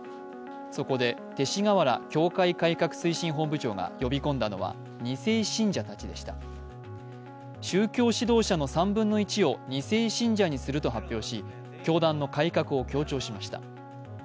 そこで、勅使河原教会改革推進本部長が呼び込んだのは２世信者たちでした宗教指導者の３分の１を２世信者にすると発表し教団の改革を強調しました。